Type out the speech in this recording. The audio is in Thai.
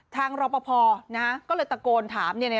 ทางรปภนะฮะก็เลยตะโกนถาม